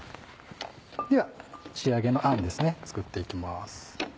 では仕上げのあんですね作っていきます。